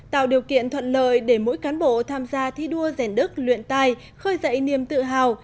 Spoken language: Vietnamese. tạo điều kiện thuận lợi để mỗi cán bộ tham gia thi đua rèn đức luyện tài khơi dậy niềm tự hào